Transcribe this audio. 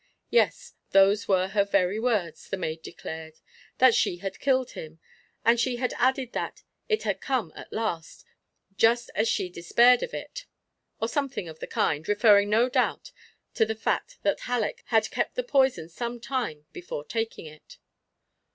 Yes, those were her very words, the maid declared "that she had killed him," and she had added that "it had come at last just as she despaired of it" or something of the kind, referring no doubt to the fact that Halleck had kept the poison some time before taking it.